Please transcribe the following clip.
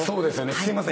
すいません。